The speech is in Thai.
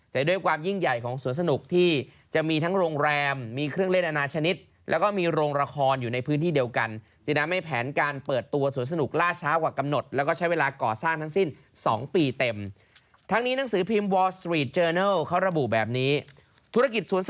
แต่ด้วยความยิ่งใหญ่ของสวนสนุกที่จะมีทั้งโรงแรมมีเครื่องเล่นอนาชนิด